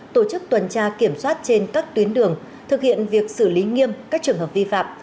tổ chức tuần tra kiểm soát trên các tuyến đường thực hiện việc xử lý nghiêm các trường hợp vi phạm